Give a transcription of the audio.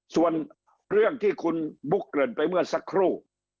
ส่วนเรื่องที่คุณบุ๊กเกริ่นไปเมื่อสักครู่